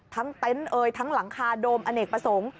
เต็นต์เอ่ยทั้งหลังคาโดมอเนกประสงค์